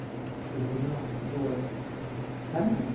There was a knock at the door. "Come in!"